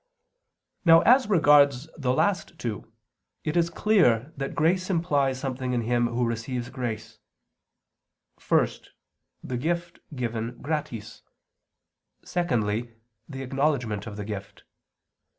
Now as regards the last two, it is clear that grace implies something in him who receives grace: first, the gift given gratis; secondly, the acknowledgment of the gift.